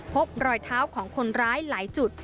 พบรอยเท้าของคนร้ายหลายจุด